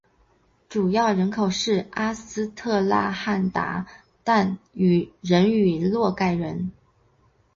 主要人口是阿斯特拉罕鞑靼人与诺盖人。